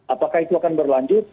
apakah itu akan berlanjut